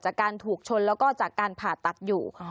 จากการถูกชนแล้วก็จากการผ่าตัดอยู่